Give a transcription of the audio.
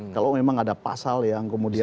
kalau memang ada pasal yang kemudian